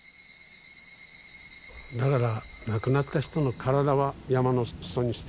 だから亡くなった人の体は山の裾に捨ててた。